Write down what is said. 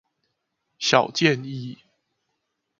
小建議